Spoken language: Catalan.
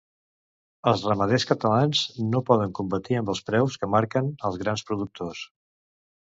Els ramaders catalans no poden competir amb els preus que marquen els grans productors.